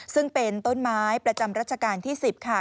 ซึ่งเป็นต้นไม้ประจำรัชกาลที่๑๐ค่ะ